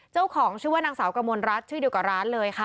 เจ้าของชื่อว่านางสาวกระมวลรัฐชื่อเดียวกับร้านเลยค่ะ